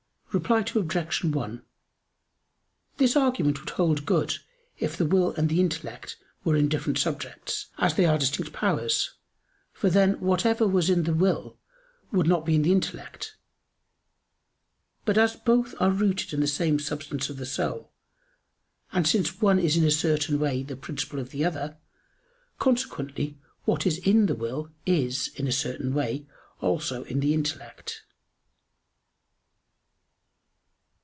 Reply Obj. 1: This argument would hold good if the will and the intellect were in different subjects, as they are distinct powers; for then whatever was in the will would not be in the intellect. But as both are rooted in the same substance of the soul, and since one is in a certain way the principle of the other, consequently what is in the will is, in a certain way, also in the intellect.